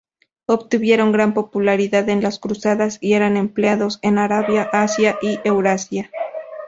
Obtuvieron gran popularidad en las Cruzadas, y eran empleados en Arabia, Asia y Eurasia.